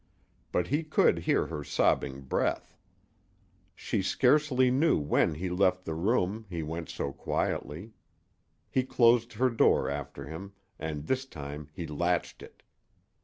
But he could hear her sobbing breath. She scarcely knew when he left the room, he went so quietly. He closed her door after him, and this time he latched it.